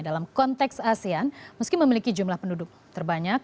dalam konteks asean meski memiliki jumlah penduduk terbanyak